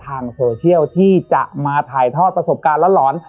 ทางโซเชียลที่จะมาถ่ายทอดประสบการณ์หลอน